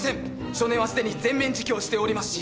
少年はすでに全面自供しておりますし。